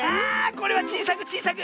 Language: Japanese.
これはちいさくちいさく。